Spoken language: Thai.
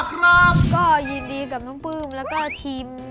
ก็ยินดีกับน้องปื้มและก็ทีม